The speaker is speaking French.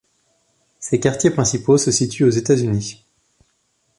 Ses quartiers principaux se situent aux États-Unis.